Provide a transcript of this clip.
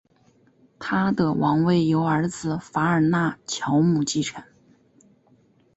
他的王位由儿子法尔纳乔姆继承。